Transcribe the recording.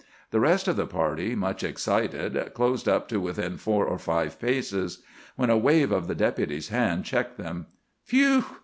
The rest of the party, much excited, closed up to within four or five paces, when a wave of the Deputy's hand checked them. "Phew!"